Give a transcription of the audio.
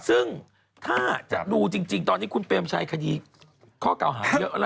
ซึ่งถ้าจะดูจริงตอนนี้คุณเปรมชัยคดีข้อเก่าหาเยอะแล้ว